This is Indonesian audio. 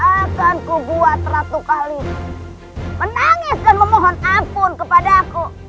dan akan ku buat ratu kali ini menangis dan memohon ampun kepada aku